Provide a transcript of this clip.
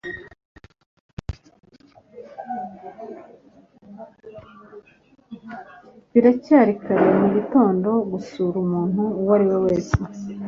Biracyari kare mugitondo gusura umuntu uwo ari we wese.